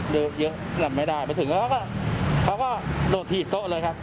หรือเยอะหลับไม่ได้ไปถึงเขาก็โดดถีดโต๊ะเลยครับ